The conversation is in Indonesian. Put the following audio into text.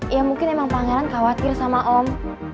ya mungkin emang pangeran khawatir sama om